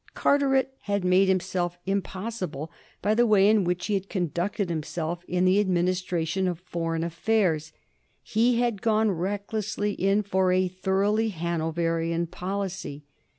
Carteret had made himself impossible by the way in which he had conducted him self in the administration of foreign affairs. He had gone recklessly in for a thoroughly Hanoverian policy.